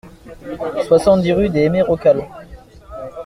soixante-dix rue des Hémérocalles